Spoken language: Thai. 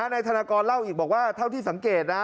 นายธนากรเล่าอีกบอกว่าเท่าที่สังเกตนะ